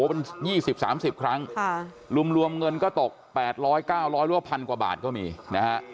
มันยี่สิบสามสิบครั้งค่ะรวมรวมเงินก็ตกแปดร้อยเก้าร้อยรั่วพันกว่าบาทก็มีนะฮะ